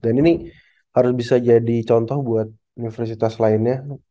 dan ini harus bisa jadi contoh buat universitas lainnya